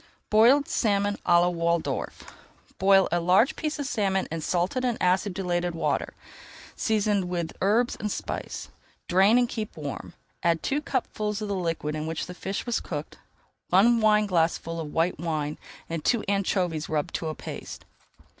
BOILED SALMON À LA WALDORF Boil a large piece of salmon in salted and acidulated water, seasoned with herbs and spice. Drain and keep warm. Add two cupfuls of the liquid in which the fish was cooked, one wineglassful of white wine, and two anchovies rubbed to a paste.